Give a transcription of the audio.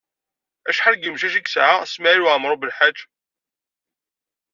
Acḥal n yemcac ay yesɛa Smawil Waɛmaṛ U Belḥaǧ?